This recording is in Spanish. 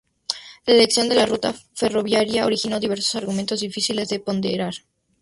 La elección de la ruta ferroviaria originó diversos argumentos difíciles de ponderar.